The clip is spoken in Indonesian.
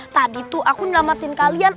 tadi tuh aku nyelamatin kalian